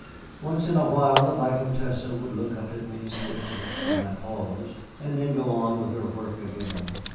Once in a while the Vicomtesse would look up at me swiftly, when I paused, and then go on with her work again.